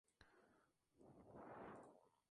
Su rasgo característico era el sacrificio de cerdos.